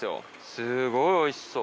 すごいおいしそう。